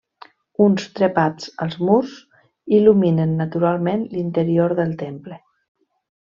Uns trepats als murs il·luminen naturalment l'interior del temple.